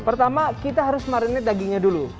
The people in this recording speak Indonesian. pertama kita harus marinir dagingnya dulu